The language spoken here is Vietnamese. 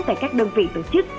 tại các đơn vị tổ chức